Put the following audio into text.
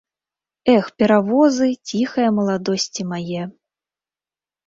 Эх, перавозы ціхае маладосці мае!